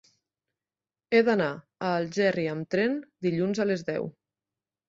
He d'anar a Algerri amb tren dilluns a les deu.